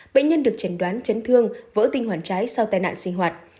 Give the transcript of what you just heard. bệnh nhân được chẩn đoán chấn thương vỡ tinh hoàn trái sau tai nạn sinh hoạt